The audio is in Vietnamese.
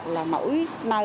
là mỗi nơi